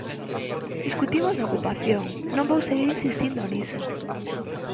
Discutimos da ocupación, non vou seguir insistindo niso.